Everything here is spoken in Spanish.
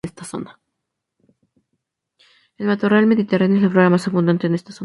El matorral mediterráneo es la flora más abundante en esta zona.